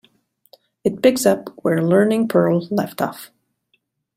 It picks up where "Learning Perl" left off.